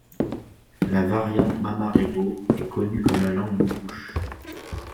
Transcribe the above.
La variante mamaregho est connue comme la langue du bush.